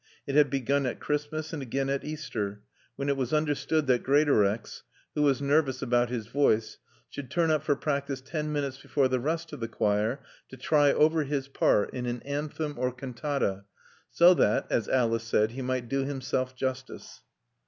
It had begun at Christmas and again at Easter, when it was understood that Greatorex, who was nervous about his voice, should turn up for practice ten minutes before the rest of the choir to try over his part in an anthem or cantata, so that, as Alice said, he might do himself justice.